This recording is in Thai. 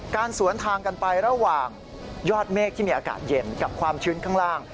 สวนทางกันไประหว่างยอดเมฆที่มีอากาศเย็นกับความชื้นข้างล่าง